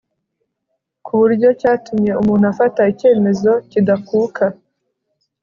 ku buryo cyatuma umuntu afata icyemezo kidakuka